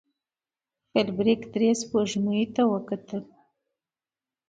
فلیریک درې سپوږمیو ته وکتل.